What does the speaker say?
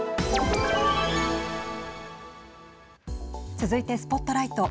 続いてＳＰＯＴＬＩＧＨＴ。